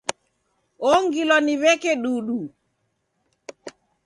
Ongilwa ni w'eke dudu.